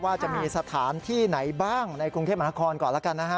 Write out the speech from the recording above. ว่าจะมีสถานที่ไหนบ้างในกรุงเทพมหานครก่อนแล้วกันนะฮะ